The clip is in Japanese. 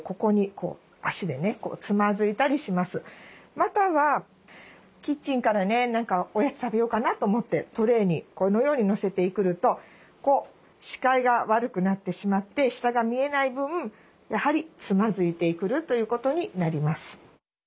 またはキッチンからねおやつ食べようかなと思ってトレーにこのように載せてくると視界が悪くなってしまって下が見えない分やはりつまずいてくることになります。